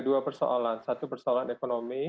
dua persoalan satu persoalan ekonomi